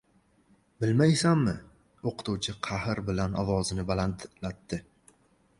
— Bilmaysanmi? — o‘qituvchi qahr bilan ovozini balandlatdi.